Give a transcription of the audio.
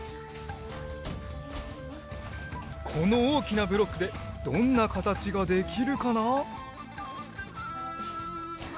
このおおきなブロックでどんなかたちができるかな？